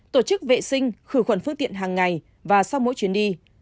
tổ chức vệ sinh khử khuẩn phương tiện hàng ngày và sau mỗi chuyến đi